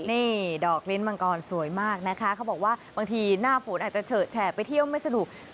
นี่ดอกลิ้นมังกรสวยมากนะคะเขาบอกว่าบางทีหน้าฝนอาจจะเฉอะแฉะไปเที่ยวไม่สนุก